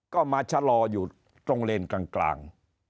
ก็มาชะลออยู่ตรงเลนกลาง